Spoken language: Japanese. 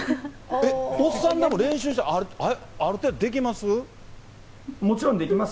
おっさんでも練習してある程度できます？